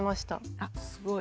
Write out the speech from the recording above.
あすごい。